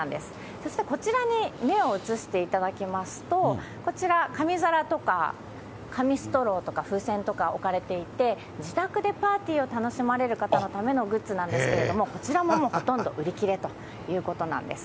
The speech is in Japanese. そしてこちらに目を移していただきますと、こちら、紙皿とか紙ストローとか風船とか置かれていて、自宅でパーティーを楽しまれる方のためのグッズなんですけれども、こちらももうほとんど売り切れということなんです。